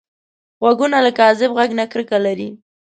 غوږونه له کاذب غږ نه کرکه لري